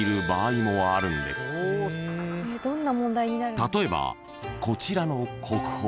［例えばこちらの国宝］